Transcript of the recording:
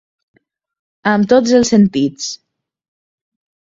Amb tots els sentits.